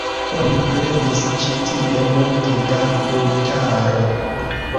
Oni bredis ĉi tie multe da brutaro.